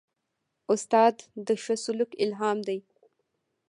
استاد د ښه سلوک الهام دی.